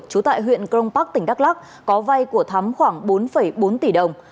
chú tại huyện công park tỉnh đắk lắc có vai của thắm khoảng bốn bốn tỷ đồng